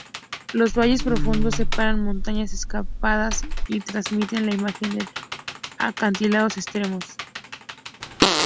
Los valles profundos separan montañas escarpadas y transmiten la imagen de acantilados extremos.